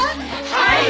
はい！